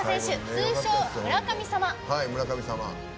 通称、村神様。